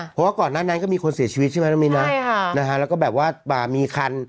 เพราะว่าก่อนหน้านั้นก็มีคนเสียชีวิตใช่ไหมน้องมิ้นนะแล้วก็แบบว่ามีคัน